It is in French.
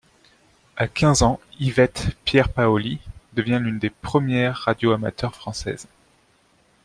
A quinze ans, Yvette Pierpaoli devient l'une des premières radio-amateurs françaises.